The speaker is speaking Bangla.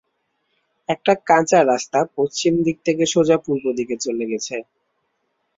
একটা কাঁচা রাস্তা পশ্চিম দিক থেকে সোজা পূর্ব দিকে চলে গেছে।